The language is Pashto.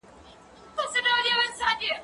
زه اوس سبا ته پلان جوړوم!.